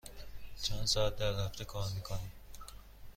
چند ساعت در هفته کار می کنی؟